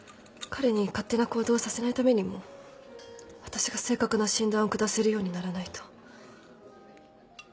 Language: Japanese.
彼に勝手な行動をさせないためにも私が正確な診断を下せるようにならないと。